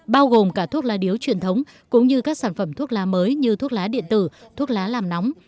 bao gồm cả thuốc lá điếu truyền thống cũng như các sản phẩm thuốc lá mới như thuốc lá điện tử thuốc lá làm nóng